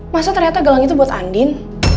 masa ternyata gelang itu buat andin